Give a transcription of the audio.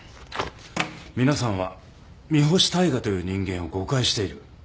皆さんは三星大海という人間を誤解している。